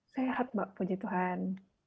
sehat mbak puji tuhan